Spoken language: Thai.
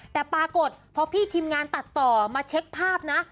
แต่ปรากฏพอพี่ทีมงานตัดต่อมาเช็คภาพนะ